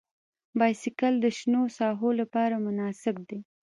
بایسکل د شنو ساحو لپاره مناسب دی.